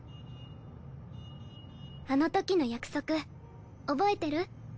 あのときの約束覚えてる？